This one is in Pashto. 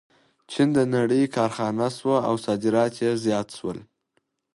چین د نړۍ کارخانه شوه او صادرات یې زیات شول.